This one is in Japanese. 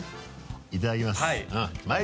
いただきますはい。